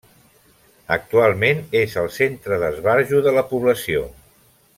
Actualment és el centre d'esbarjo de la població.